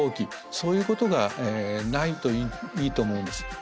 そういうことがないといいと思うんです。